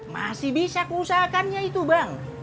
masih bisa keusahakannya itu bang